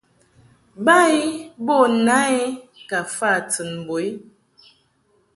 Ba i bo na i ka fa tɨn mbo i.